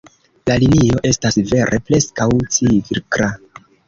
La linio estas vere preskaŭ cirkla.